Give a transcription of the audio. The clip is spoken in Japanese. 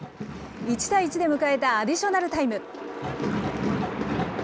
１対１で迎えたアディショナルタイム。